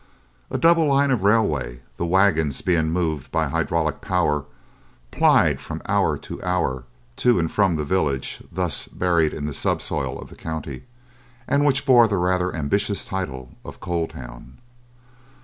A double line of railway, the wagons being moved by hydraulic power, plied from hour to hour to and from the village thus buried in the subsoil of the county, and which bore the rather ambitious title of Coal Town.